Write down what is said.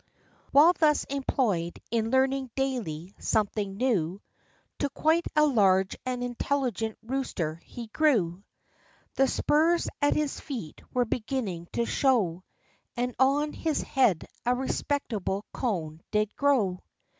While thus employed in learning daily something new, To quite a large and intelligent rooster he grew. The spurs at his feet were beginning to show, And on his head a respectable comb did grow.